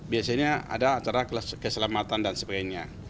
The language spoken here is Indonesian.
biasanya ada acara keselamatan dan sebagainya